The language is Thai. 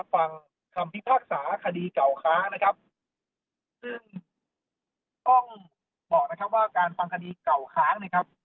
ฟังคำพิพากษาคดีเก่าค้างนะครับซึ่งต้องบอกนะครับว่าการฟังคดีเก่าค้างนะครับ